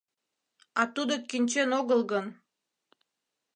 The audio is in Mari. А тудо кӱнчен огыл гын?